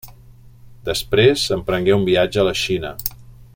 Després emprengué un viatge a la Xina.